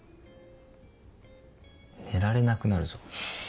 寝られなくなるぞ。